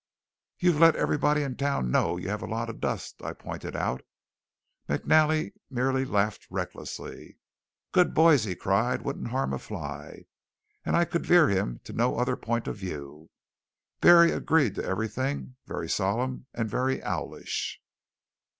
"You've let everybody in town know you have a lot of dust," I pointed out. McNally merely laughed recklessly. "Good boys!" he cried; "wouldn't harm a fly!" and I could veer him to no other point of view. Barry agreed to everything, very solemn and very owlish.